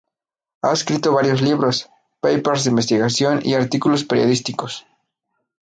Ha escrito varios libros, papers de investigación y artículos periodísticos.